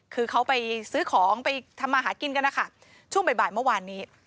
คือเขาไปซื้อของไปทำมาหากินกันนะคะช่วงบ่ายเมื่อวานนี้